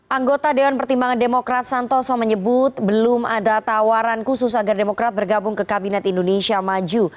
anggota dewan pertimbangan demokrat santoso menyebut belum ada tawaran khusus agar demokrat bergabung ke kabinet indonesia maju